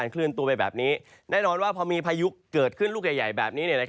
เคลื่อนตัวไปแบบนี้แน่นอนว่าพอมีพายุเกิดขึ้นลูกใหญ่แบบนี้